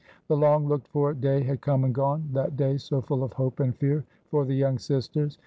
The long looked f or day had come and gone ; that day so full of hope and fear for the young sisters.